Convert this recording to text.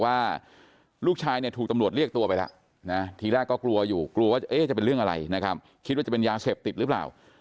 ถ้าเจอยังไม่ได้ติดต่ออะไรกันก็ไม่รู้เรื่องเขานะ